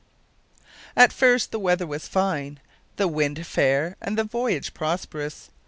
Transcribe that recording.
At first the weather was fine, the wind fair, and the voyage prosperous.